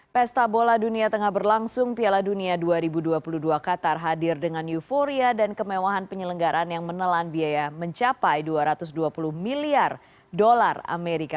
pesta bola dunia tengah berlangsung piala dunia dua ribu dua puluh dua qatar hadir dengan euforia dan kemewahan penyelenggaran yang menelan biaya mencapai dua ratus dua puluh miliar dolar amerika